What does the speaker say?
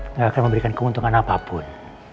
tidak akan memberikan keuntungan apapun